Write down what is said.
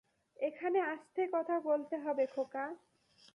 এখানে আস্তে কথা বলতে হবে, খোকা।